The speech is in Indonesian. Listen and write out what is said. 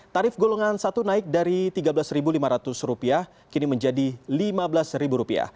tarif golongan satu naik dari rp tiga belas lima ratus kini menjadi rp lima belas